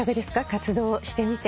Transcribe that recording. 活動してみて。